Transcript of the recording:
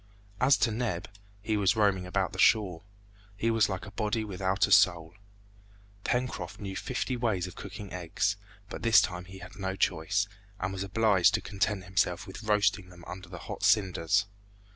As to Neb, he was roaming about the shore. He was like a body without a soul. Pencroft knew fifty ways of cooking eggs, but this time he had no choice, and was obliged to content himself with roasting them under the hot cinders.